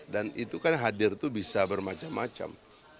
dan itu kan hadir itu bisa bermacam macam